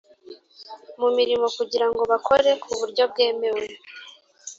mu mirimo kugira ngo bakore ku buryo bwemewe